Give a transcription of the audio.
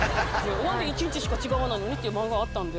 何で１日しか違わないのにっていう漫画あったんで。